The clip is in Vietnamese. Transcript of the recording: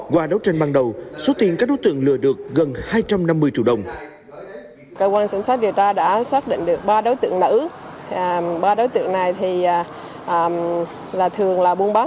qua đấu tranh ban đầu số tiền các đối tượng lừa được gần hai trăm năm mươi triệu đồng